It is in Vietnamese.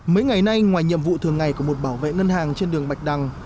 mấy ngày nay ngoài nhiệm vụ thường ngày của một bảo vệ ngân hàng trên đường bạch đăng